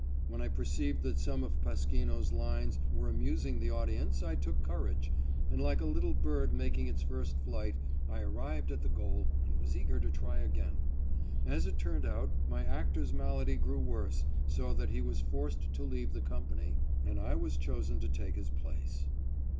When I perceived that some of Pasquino's lines were amusing the audience, I took courage, and, like a little bird making its first flight, I arrived at the goal, and was eager to try again. As it turned out, my actor's malady grew worse, so that he was forced to leave the company, and I was chosen to take his place.